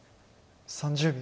３０秒。